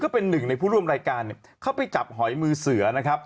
เป็นหนึ่งในผู้ร่วมรายการเข้าไปจับหอยมือเสือนะครับ